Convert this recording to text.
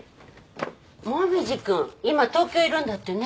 紅葉君今東京いるんだってね。